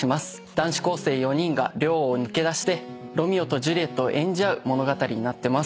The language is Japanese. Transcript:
男子高生４人が寮を抜け出してロミオとジュリエットを演じ合う物語になってます。